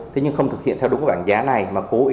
thế nhưng không thực hiện theo đúng bản giá này